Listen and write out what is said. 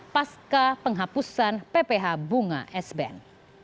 pas ke penghapusan pph bunga sbn